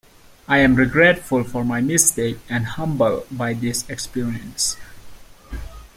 I am regretful for my mistake and humbled by this experience.